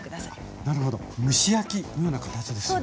なるほど蒸し焼きのような形ですね。